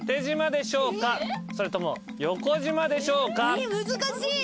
えっ難しい。